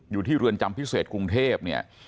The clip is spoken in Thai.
อยู่ที่เรือนจำพิเศษกรุงเทพเนี่ย